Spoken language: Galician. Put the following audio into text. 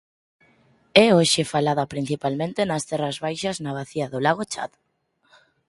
É hoxe falada principalmente nas terras baixas na bacía do Lago Chad.